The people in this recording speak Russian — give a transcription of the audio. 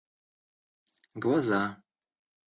глаза